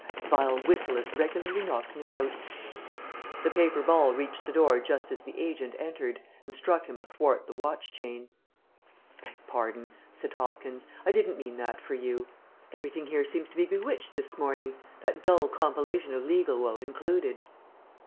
"That vile whistle has regularly knocked me out." The paper ball reached the door just as the agent entered, and struck him athwart the watch chain. "Beg pardon," said Hopkins, "I didn't mean that for you. Everything here seems to be bewitched this morning, that dull compilation of legal woe included."